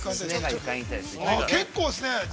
◆結構ですね。